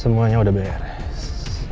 semuanya udah beres